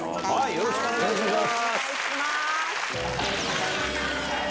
よろしくお願いします。